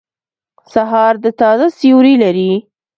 سهار د تازه سیوری لري.